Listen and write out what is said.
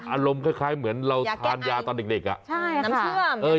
อารมณ์คล้ายคล้ายเหมือนเราทานยาตอนเด็กเด็กอ่ะใช่ค่ะน้ำเชื่อมเออ